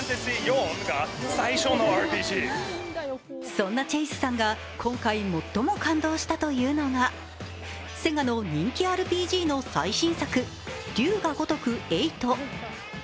そんなチェイスさんが今回、最も感動したというのがＳＥＧＡの人気ＲＰＧの最新作「龍が如く８」。